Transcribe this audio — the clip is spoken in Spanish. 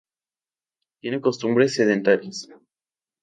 Tiene costumbres sedentarias.